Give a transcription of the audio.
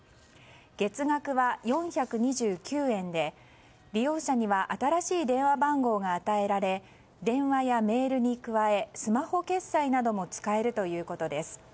月額は４２９円で利用者には新しい電話番号が与えられ電話やメールに加えスマホ決済なども使えるということです。